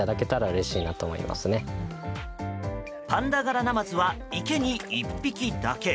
パンダ柄ナマズは池に１匹だけ。